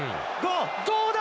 どうだ？